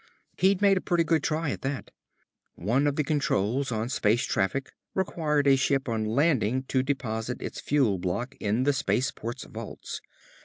He'd made a pretty good try, at that. One of the controls on space traffic required a ship on landing to deposit its fuel block in the space port's vaults.